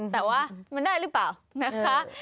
แต่ว่ามันได้หรือเปล่านะคะ